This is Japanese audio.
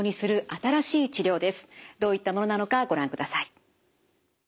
どういったものなのかご覧ください。